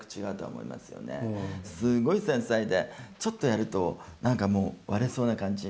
すごい繊細でちょっとやると何かもう割れそうな感じ。